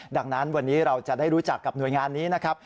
ดังนั้นวันนี้เราจะได้รู้จักกับหน่วยงานนี้นะครับ